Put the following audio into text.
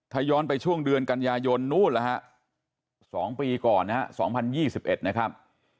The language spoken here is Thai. ถ้าย้อนไปช่วงเดือนกันยายนนู่นแล้วฮะ๒ปีก่อนนะฮะ๒๐๒๑นะครับ